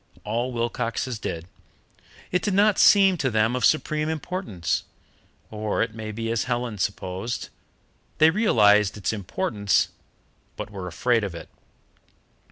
All Wilcoxes did. It did not seem to them of supreme importance. Or it may be as Helen supposed: they realized its importance, but were afraid of it.